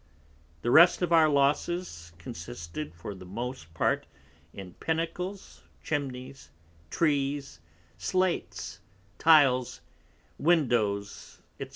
The rest of our Losses consisted for the most part in Pinnacles, Chimneys, Trees, Slates, Tiles, Windows, _&c.